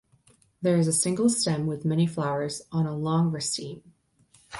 There is a single stem with many flowers on a long raceme.